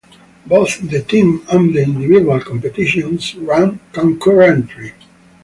Both the team and the individual competitions ran concurrently.